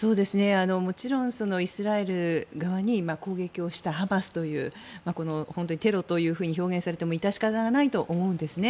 もちろんイスラエル側に攻撃をしたハマスというテロというふうに表現されても致し方ないと思うんですね。